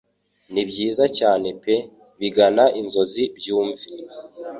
Nibyiza cyane pe bigana inzozi byumve